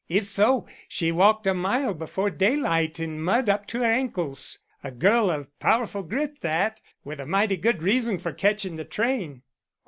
"If so, she walked a mile before daylight in mud up to her ankles. A girl of powerful grit that! with a mighty good reason for catching the train."